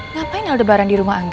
ngapain ada barang di rumah angga